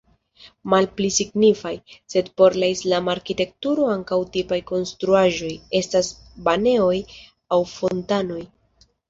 Malpli signifaj, sed por la islama arkitekturo ankaŭ tipaj konstruaĵoj, estas banejoj aŭ fontanoj.